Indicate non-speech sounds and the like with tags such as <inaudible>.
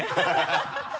ハハハ <laughs>